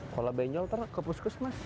kalau benyol terus ke puskus mas